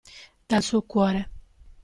Dal suo cuore.